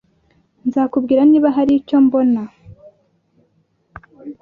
Nzakubwira niba hari icyo mbona